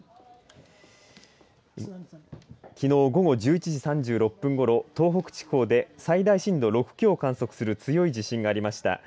きのう午後１１時３６分ごろ東北地方で最大震度６強を観測する強い地震がありました。